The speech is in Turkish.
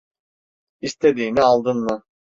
İstediğini aldın mı?